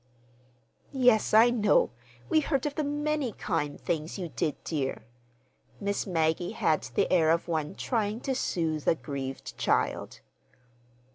"Yes, I know. We heard of the many kind things you did, dear." Miss Maggie had the air of one trying to soothe a grieved child.